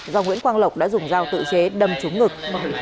do nguyễn quang lộc đã dùng dao tự chế đâm trúng ngực